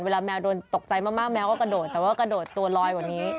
แมวโดนตกใจมากแมวก็กระโดดแต่ว่ากระโดดตัวลอยกว่านี้